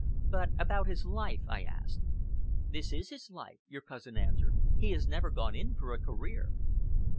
'But about his life?' I asked. 'This is his life,' your cousin answered. 'He has never gone in for a career!'"